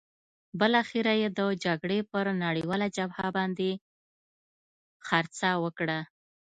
بالاخره یې د جګړې پر نړیواله جبهه باندې خرڅه کړه.